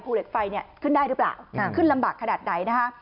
ภูเหล็กไฟขึ้นได้หรือเปล่าขึ้นลำบากขนาดไหน